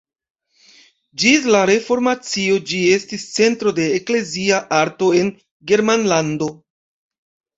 Ĝis la Reformacio ĝi estis centro de eklezia arto en Germanlando.